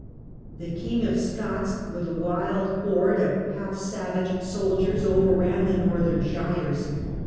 The King of Scots, with a wild horde of half savage soldiers, overran the northern shires.